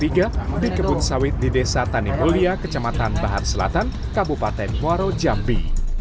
pada dua belas juni dua ribu dua puluh tiga dikebun sawit di desa tanimulia kecamatan bahar selatan kabupaten muarajambi